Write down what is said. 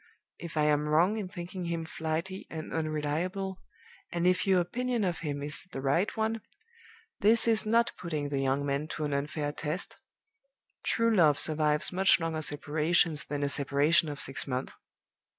If I am wrong in thinking him flighty and unreliable, and if your opinion of him is the right one, this is not putting the young man to an unfair test true love survives much longer separations than a separation of six months.